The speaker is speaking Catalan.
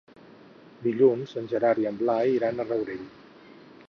Dilluns en Gerard i en Blai iran al Rourell.